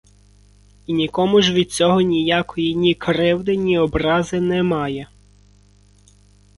І нікому ж від цього ніякої ні кривди, ні образи немає.